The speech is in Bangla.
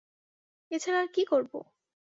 এ ছাড়া আর কি করব?